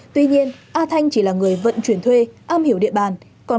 tuy nhiên a thanh chỉ là người vận chuyển thuê am hiểu địa bàn